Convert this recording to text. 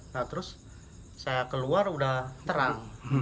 nah terus saya keluar udah terang